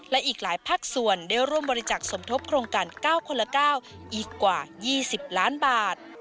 และอีกหลายภาคส่วนได้ร่วมบริจักษ์สมทบโครงการ๙คนละ๙อีกกว่า๒๐ล้านบาท